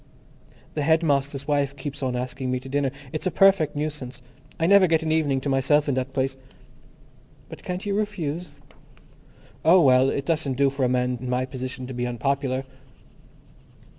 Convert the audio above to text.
"The headmaster's wife keeps on asking me to dinner. It's a perfect nuisance. I never get an evening to myself in that place." "But can't you refuse?" "Oh, well, it doesn't do for a man in my position to be unpopular."